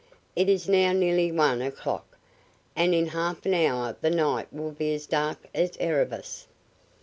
It is now nearly one o'clock, and in half an hour the night will be as dark as Erebus.